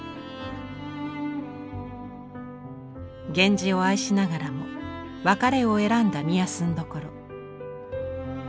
源氏を愛しながらも別れを選んだ御息所。